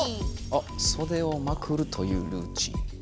あっそでをまくるというルーチン。